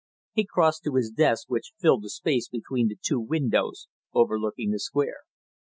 He crossed to his desk which filled the space between the two windows overlooking the Square.